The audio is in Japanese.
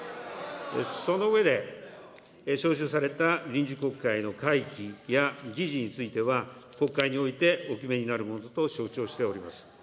その上で、召集された臨時国会の会期や議事については、国会においてお決めになるものと承知をしております。